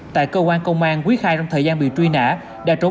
tại cơ quan công an quý khai trong thời gian bị truy nã đã trốn